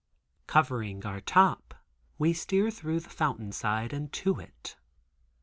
Covering our top, we steer through the fountain side and to it.